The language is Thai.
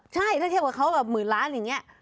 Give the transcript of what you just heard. ใช่ถ้าเทียบกับเขา๑๐๐๐๐๐๐๐อย่างนี้